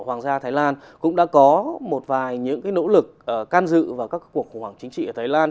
hoàng gia thái lan cũng đã có một vài những nỗ lực can dự vào các cuộc khủng hoảng chính trị ở thái lan